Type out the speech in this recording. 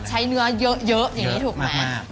ใช้เนื้อเยอะอย่างนี้ถูกไหม